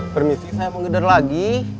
permisi saya mengedar lagi